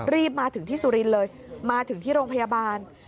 มาถึงที่สุรินทร์เลยมาถึงที่โรงพยาบาล